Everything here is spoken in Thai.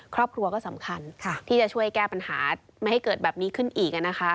ครอบครัวก็สำคัญที่จะช่วยแก้ปัญหาไม่ให้เกิดแบบนี้ขึ้นอีก